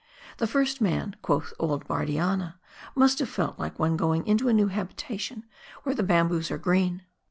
The first man, quoth old Bardianna, must have felt like one going into a new habitation, where the bamboos are green.